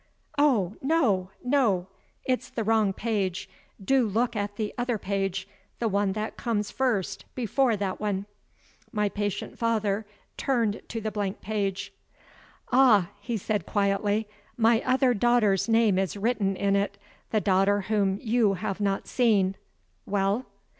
"Oh, no! no! It's the wrong page. Do look at the other page the one that comes first before that one." My patient father turned to the blank page. "Ah," he said quietly, "my other daughter's name is written in it the daughter whom you have not seen. Well?"